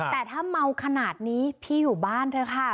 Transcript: แต่ถ้าเมาขนาดนี้พี่อยู่บ้านเถอะค่ะ